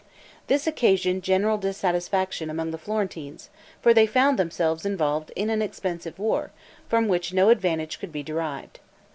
This occasioned general dissatisfaction among the Florentines; for they found themselves involved in an expensive war, from which no advantage could be derived.